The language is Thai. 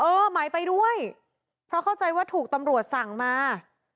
หมายไปด้วยเพราะเข้าใจว่าถูกตำรวจสั่งมา